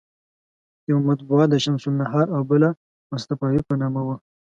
یوه مطبعه د شمس النهار او بله مصطفاوي په نامه وه.